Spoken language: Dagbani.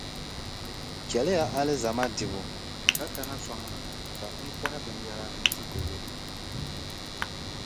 Chɛliya alizama dibu ka kana sɔŋ ma ka n kɔhi binyɛra n-ti Debo.